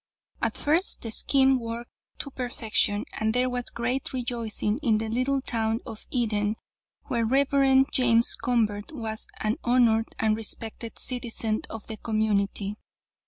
"'At first the scheme worked to perfection, and there was great rejoicing in the little town of Eden, where the Rev. James Convert was an honored and respected citizen of the community.